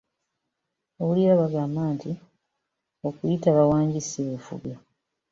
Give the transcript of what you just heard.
Owulira bagamba nti okuyitaba "wangi" si bufuge.